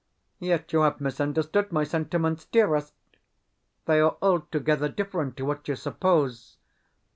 Yet you have misunderstood my sentiments, dearest. They are altogether different to what you suppose.